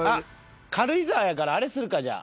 軽井沢やからあれするかじゃあ。